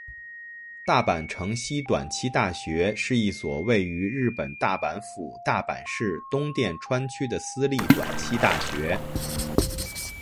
大阪成蹊短期大学是一所位于日本大阪府大阪市东淀川区的私立短期大学。